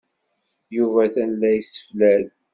Yuba atan la yesseflad.